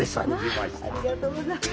まあありがとうございます。